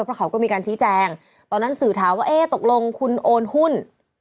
เพราะเขาก็มีการชี้แจงตอนนั้นสื่อถามว่าเอ๊ะตกลงคุณโอนหุ้น